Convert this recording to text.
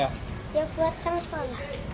ya buat tanggung sekolah